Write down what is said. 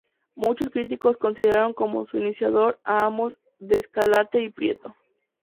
Muchos críticos consideran como su iniciador a Amós de Escalante y Prieto.